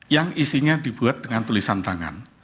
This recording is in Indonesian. yang isinya dibuat dengan tulisan tangan